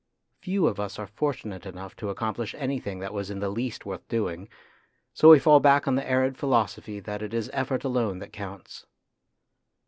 Few of us are fortunate enough to accomplish anything that was in the least worth doing, so we fall back on the arid philosophy that it is effort alone that counts.